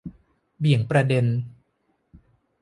เบี่ยงประเด็น